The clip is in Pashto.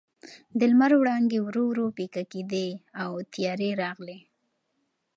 د لمر وړانګې ورو ورو پیکه کېدې او تیارې راغلې.